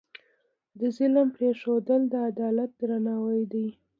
د ظلم پرېښودل، د عدالت درناوی دی.